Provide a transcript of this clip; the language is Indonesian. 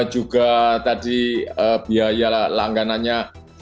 juga tadi biaya langganannya